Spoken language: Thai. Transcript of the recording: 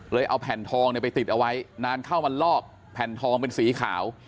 เอาแผ่นทองไปติดเอาไว้นานเข้ามันลอกแผ่นทองเป็นสีขาว